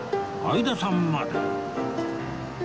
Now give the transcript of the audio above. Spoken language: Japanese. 相田さんまで